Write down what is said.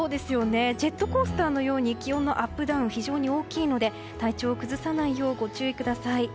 ジェットコースターのように気温のアップダウンが非常に大きいので体調を崩さないようご注意ください。